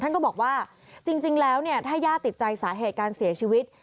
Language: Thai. ก็บอกว่าจริงแล้วเนี่ยถ้าย่าติดใจสาเหตุการเสียชีวิต